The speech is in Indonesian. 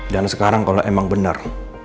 dan sekarang kalau emang bener